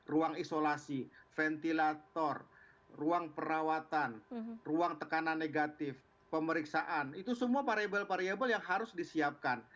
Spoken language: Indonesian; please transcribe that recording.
ruang isolasi ventilator ruang perawatan ruang tekanan negatif pemeriksaan itu semua variable variable yang harus disiapkan